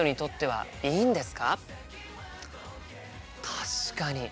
確かに。